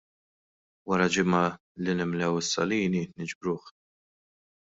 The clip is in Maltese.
Wara ġimgħa li nimlew is-salini niġbruh.